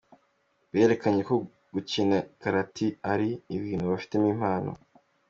Berekanye ko gukina karati ari ibintu bafitemo impano.